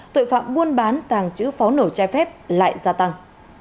tội phạm buôn bán tăng trữ pháo nổ trai phép lại gia tăng